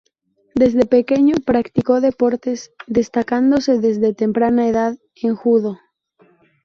Desde pequeño practicó deportes, destacándose desde temprana edad en judo.